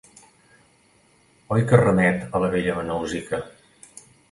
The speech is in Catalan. Oi que remet a la bella Nausica.